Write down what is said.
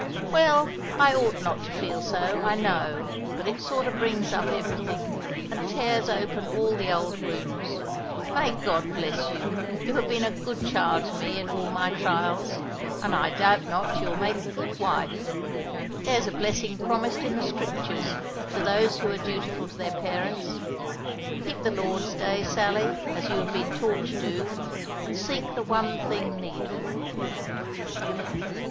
"Well, I ought not to feel so, I know; but it sort o' brings up everything, and tears open all the old wounds. May God bless you! you've been a good child to me in all my trials, and, I doubt not, you'll make a good wife. There's a blessing promised in the Scriptures to those who are dutiful to their parents. Keep the Lord's day, Sally, as you've been taught to do, and seek the one thing needful."